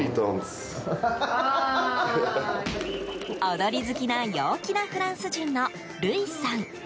踊り好きな陽気なフランス人のルイさん。